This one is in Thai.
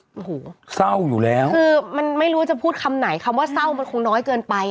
โอ้โหเศร้าอยู่แล้วคือมันไม่รู้จะพูดคำไหนคำว่าเศร้ามันคงน้อยเกินไป